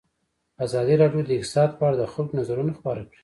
ازادي راډیو د اقتصاد په اړه د خلکو نظرونه خپاره کړي.